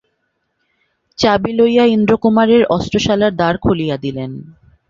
চাবি লইয়া ইন্দ্রকুমারের অস্ত্রশালার দ্বার খুলিয়া দিলেন।